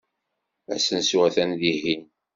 Asensu atan dihin.